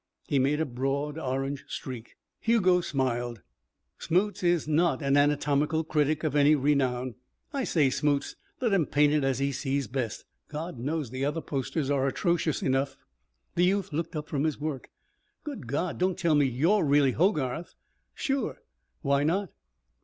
He made a broad orange streak. Hugo smiled. "Smoots is not an anatomical critic of any renown. I say, Smoots, let him paint it as he sees best. God knows the other posters are atrocious enough." The youth looked up from his work. "Good God, don't tell me you're really Hogarth!" "Sure. Why not?"